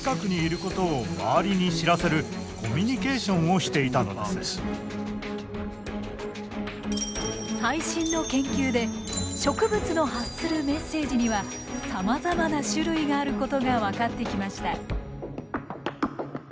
つまり彼らは最新の研究で植物の発するメッセージにはさまざまな種類があることが分かってきました。